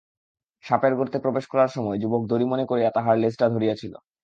সাপের গর্তে প্রবেশ করার সময় যুবক দড়ি মনে করিয়া তাহার লেজটা ধরিয়াছিল।